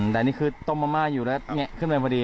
แต่นี่คือต้มมะม่าอยู่แล้วขึ้นไปพอดี